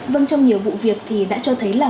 vâng trong nhiều vụ việc thì đã cho thấy là